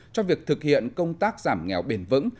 cho việc thực hiện công tác giảm nghèo bền vững